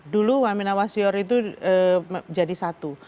dulu wamena wasior itu jadi satu